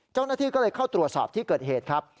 เจ้าหน้าที่ก็เลยเข้าตรวจสอบที่เกิดเหตุครับ